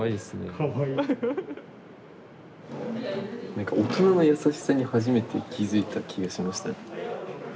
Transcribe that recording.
なんか大人の優しさに初めて気付いた気がしましたね。